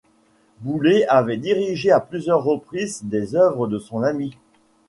Boulez avait dirigé à plusieurs reprises des œuvres de son ami.